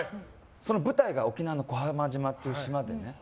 舞台が沖縄の小浜島っていう島で。